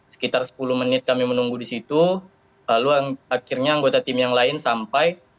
sekitar sepuluh menit kami menunggu di situ lalu akhirnya anggota tim yang lain sampai